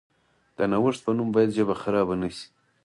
د نوښت په نوم باید ژبه خرابه نشي.